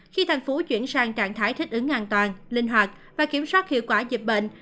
khi thành phố chuyển sang trạng thái thích ứng an toàn linh hoạt và kiểm soát hiệu quả dịch bệnh